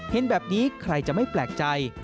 เห็นแบบนี้ใครจะไม่แปลกใจ